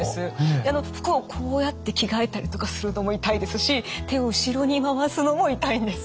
であの服をこうやって着替えたりとかするのも痛いですし手を後ろに回すのも痛いんです。